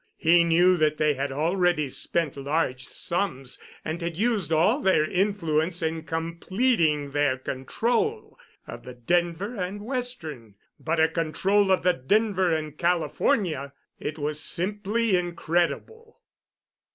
He knew that they had already spent large sums and had used all their influence in completing their control of the Denver and Western, but a control of the Denver and California! It was simply incredible!